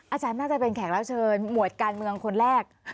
อาจารย์น่าจะเป็นแขกรับเชิญหมวดการเมืองคนแรก